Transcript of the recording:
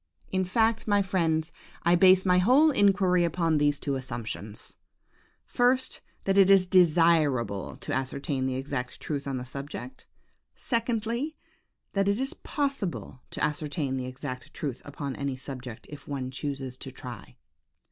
In fact, my friends, I base my whole inquiry upon these two assumptions; first, that it is desirable to ascertain the exact truth on the subject; secondly, that it is possible to ascertain the exact truth upon any subject, if one chooses to try.